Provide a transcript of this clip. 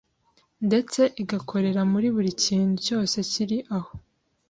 ndetse igakorera muri buri kintu cyose kiri aho